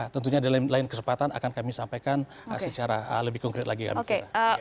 tentunya ada lain kesempatan akan kami sampaikan secara lebih konkret lagi kami pikirkan